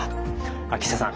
秋下さん